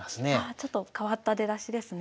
ちょっと変わった出だしですね。